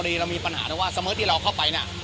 แล้วพอดีเรามีปัญหานะว่าเสมอที่เราเข้าไปเนี่ย